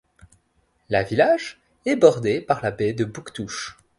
Le village est bordé par la baie de Bouctouche.